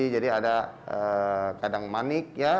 jadi ada kadang manik ya